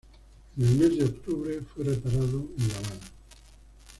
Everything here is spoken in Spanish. En el mes de octubre fue reparado en La Habana.